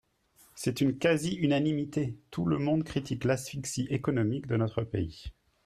C’est une quasi-unanimité, tout le monde critique l’asphyxie économique de notre pays.